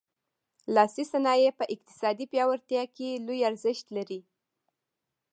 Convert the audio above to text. لاسي صنایع په اقتصادي پیاوړتیا کې لوی ارزښت لري.